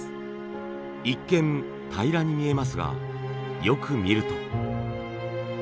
一見平らに見えますがよく見ると。